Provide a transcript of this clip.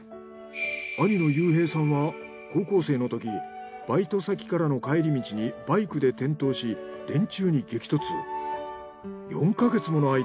兄の悠平さんは高校生のときバイト先からの帰り道にバイクで転倒し電柱に激突。